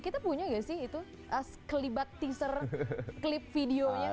kita punya nggak sih itu kelibat teaser klip videonya